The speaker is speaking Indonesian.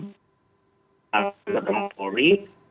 lalu ketemu polri